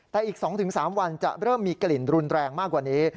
แต่อีก๒๓วันจะเริ่มมีกลิ่นรุนแรงมากกว่านี้